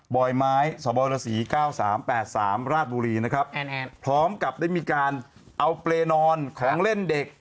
บ่อยไม้สอบอยระสีเก้าสามแปดสามราดบุรีนะครับแอนแอนพร้อมกับได้มีการเอาเปรนอนของเล่นเด็ก